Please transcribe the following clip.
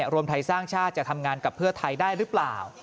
รวมไทยสร้างชาติจะทำงานกับเพื่อไทยได้หรือเปล่า